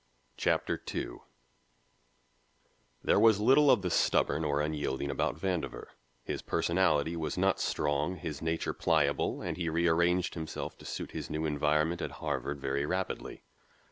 Chapter Two There was little of the stubborn or unyielding about Vandover, his personality was not strong, his nature pliable and he rearranged himself to suit his new environment at Harvard very rapidly.